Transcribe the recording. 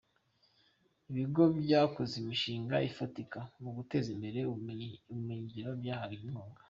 Ibigo byakoze imishinga ifatika mu guteza imbere ubumenyi ngiro byahawe inkunga